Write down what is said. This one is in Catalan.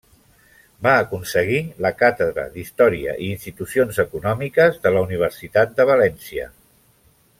Va aconseguir la càtedra d'Història i Institucions Econòmiques de la Universitat de València.